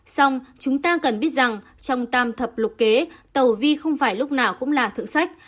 xong chúng ta cần biết rằng trong tam thập lục kế tàu vi không phải lúc nào cũng là thượng sách